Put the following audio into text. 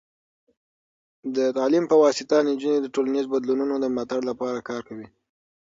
د تعلیم په واسطه، نجونې د ټولنیزو بدلونونو د ملاتړ لپاره کار کوي.